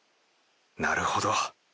なるほど。